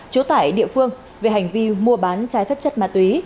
chú tải địa phương về hành vi mua bán trái phép chất ma túy